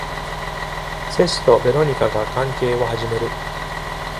セスとベロニカが関係を始める。